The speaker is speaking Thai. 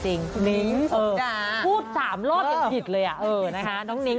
นิ้งโสพิดาพูด๓โลกอย่างผิดเลยอ่ะน้องนิ้งน้องนิ้ง